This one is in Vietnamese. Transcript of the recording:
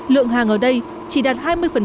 lượng hàng ở đây chỉ đạt hai mươi